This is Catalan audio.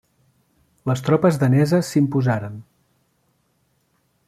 Les tropes daneses s'imposaren.